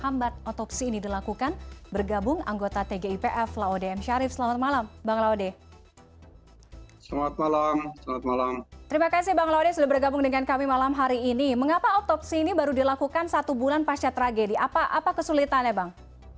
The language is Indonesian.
apa kesulitannya bang